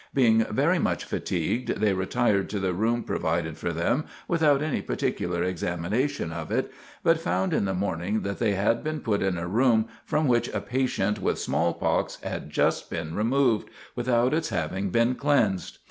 Being very much fatigued, they retired to the room provided for them without any particular examination of it but found in the morning that they had been put in a room from which a patient with smallpox had just been removed, without its having been cleansed.